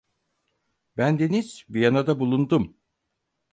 Bendeniz Viyana'da bulundum.